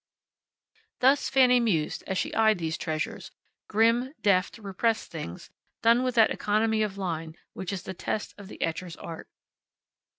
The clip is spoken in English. Thus Fanny mused as she eyed these treasures grim, deft, repressed things, done with that economy of line which is the test of the etcher's art.